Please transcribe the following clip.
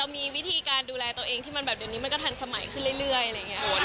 มีวิธีการดูแลตัวเองที่มันแบบเดี๋ยวนี้มันก็ทันสมัยขึ้นเรื่อยอะไรอย่างนี้